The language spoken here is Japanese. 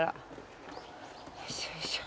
よいしょよいしょ。